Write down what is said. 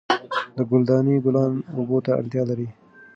د ګل دانۍ ګلان اوبو ته اړتیا لري.